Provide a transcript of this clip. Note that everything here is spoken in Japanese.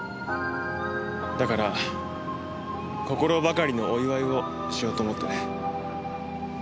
だから心ばかりのお祝いをしようと思ってね。